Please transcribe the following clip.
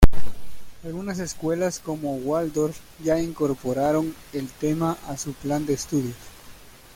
Algunas escuelas como Waldorf ya incorporaron el tema a su plan de estudios.